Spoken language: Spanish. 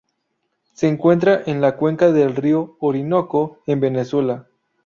Se encuentra en la cuenca del río Orinoco en Venezuela.